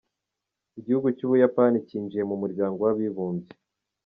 Igihugu cy’ubuyapani cyinjiye mu muryango w’abibumbye.